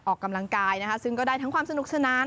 ออกกำลังกายนะคะซึ่งก็ได้ทั้งความสนุกสนาน